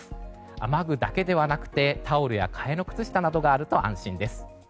雨具だけではなくタオルや替えの靴下などがあると安心です。